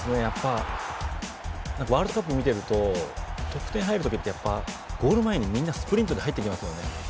ワールドカップを見ていると得点が入る時はやっぱりゴール前に、みんなスプリントで入ってきますよね。